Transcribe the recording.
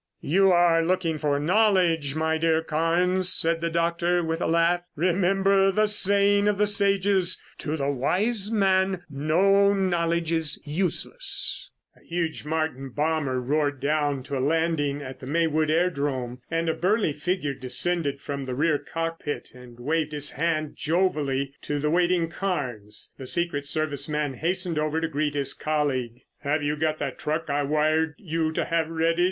"You are looking for knowledge, my dear Carnes," said the doctor with a laugh. "Remember the saying of the sages: To the wise man, no knowledge is useless." A huge Martin bomber roared down to a landing at the Maywood airdrome, and a burly figure descended from the rear cockpit and waved his hand jovially to the waiting Carnes. The secret service man hastened over to greet his colleague. "Have you got that truck I wired you to have ready?"